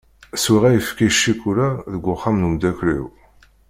Swiɣ ayefki s cikula deg uxxam n umdakkel-iw.